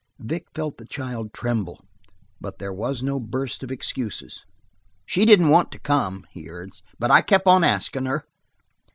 Vic felt the child tremble, but there was no burst of excuses. "She didn't want to come," he urged. "But I kep' on askin' her."